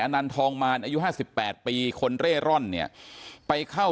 อันันทองมานอายุห้าสิบแปดปีคนเร๊ร่อนเนี้ยไปเข้า